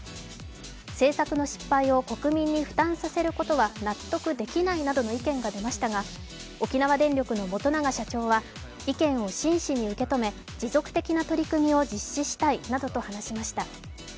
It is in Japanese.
政策の失敗を国民に負担させることは納得できないなどの意見が出ましたが沖縄電力の本永社長は意見を真摯に受け止め持続的な取り組みを実施したいなどと話しました。